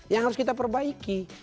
yang harus kita perbaiki